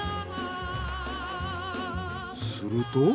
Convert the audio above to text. すると。